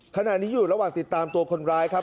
ขณะนี้อยู่ระหว่างติดตามตัวคนร้ายครับ